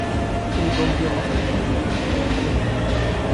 তিনি বঙ্গীয় মুসলিম সাহিত্য সমিতির সম্পাদক হন।